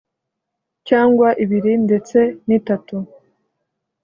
cyangwa ibiri ndetse nitatu